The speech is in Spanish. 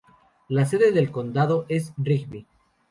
La sede del condado es Rigby.